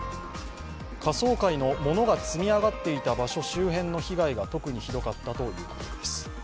下層階のものが積み上がっていた場所周辺の被害が特にひどかったということです。